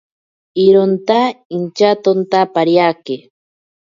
Ironta intyatonta pariake.